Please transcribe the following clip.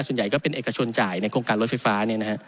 ส่วนใหญ่ก็เป็นเอกชนจ่ายในโครงการรถไฟฟ้า